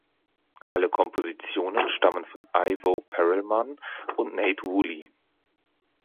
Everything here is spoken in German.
Alle Kompositionen stammen von Ivo Perelman und Nate Wooley.